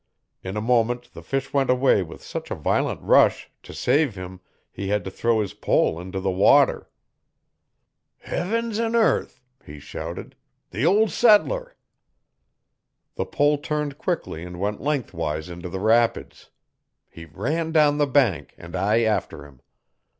In a moment the fish went away with such a violent rush, to save him, he had to throw his pole into the water. 'Heavens an' airth!' he shouted, 'the ol' settler!' The pole turned quickly and went lengthwise into the rapids. He ran down the bank and I after him.